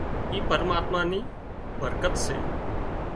اِي پرماتما نِي برڪت سي